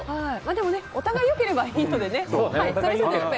でもお互い良ければいいのでね。